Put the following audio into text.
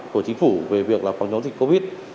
của chính phủ về việc phòng chống dịch covid